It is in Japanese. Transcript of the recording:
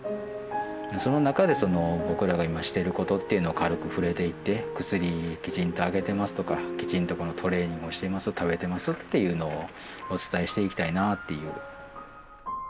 その中で僕らが今してることっていうのを軽く触れていって薬きちんとあげてますとかきちんとこのトレーニングをしてます食べてますっていうのをお伝えしていきたいなっていう。